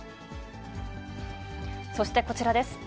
そしてこちらです。